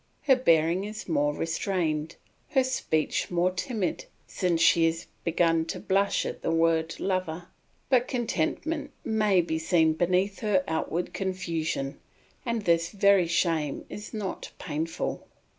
Her bearing is more restrained, her speech more timid, since she has begun to blush at the word "lover"; but contentment may be seen beneath her outward confusion and this very shame is not painful.